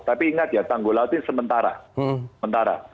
tapi ingat ya tanggul laut ini sementara